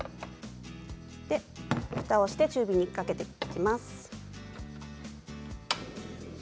ふたをして中火にかけていきます。